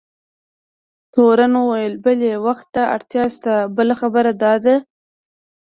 تورن وویل: بلي، وخت ته اړتیا شته، بله خبره دا ده.